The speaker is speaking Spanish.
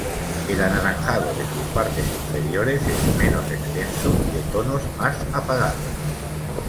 El anaranjado de sus partes inferiores es menos extenso y de tonos más apagados.